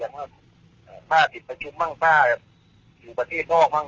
ว่าถ้าติดประชุมบ้างถ้าอยู่ประเทศนอกบ้าง